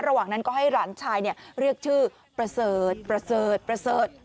ระหว่างนั้นก็ให้หลานชายเรียกชื่อประเสริฐ